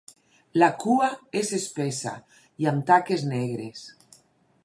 La cua és espessa i amb taques negres.